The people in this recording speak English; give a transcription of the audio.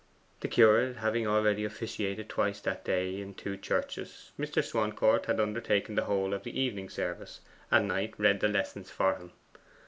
The curate having already officiated twice that day in the two churches, Mr. Swancourt had undertaken the whole of the evening service, and Knight read the lessons for him.